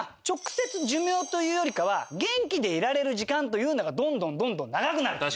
直接寿命というよりかは元気でいられる時間というのがどんどんどんどん長くなる。